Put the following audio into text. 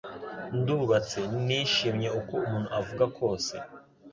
Ndubatse nishimye uko umuntu avuga kose